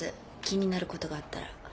気になることがあったら。